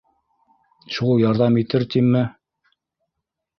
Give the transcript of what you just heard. Шул ярҙам итер тиме?